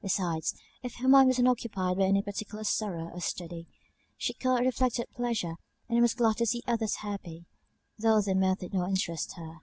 Besides, if her mind was not occupied by any particular sorrow, or study, she caught reflected pleasure, and was glad to see others happy, though their mirth did not interest her.